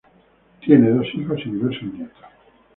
Tiene dos hijos y diversos nietos.